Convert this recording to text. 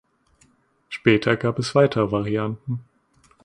Später gab es weitere Varianten.